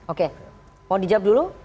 oke mau dijawab dulu